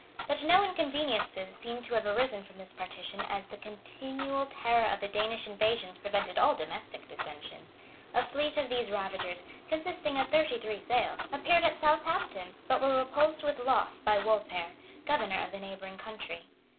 But no inconveniences seem to have arisen from this partition as the continual terror of the Danish invasions prevented all domestic dissension. A fleet of these ravagers, consisting of thirty three sail, appeared at Southampton, but were repulsed with loss by Wolfhere, governor of the neighboring country.